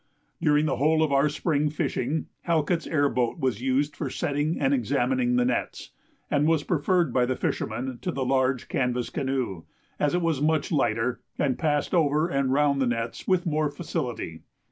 During the whole of our spring fishing Halkett's air boat was used for setting and examining the nets, and was preferred by the fishermen to the large canvas canoe, as it was much lighter, and passed over and round the nets with more facility.